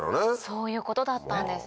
そういうことだったんですね。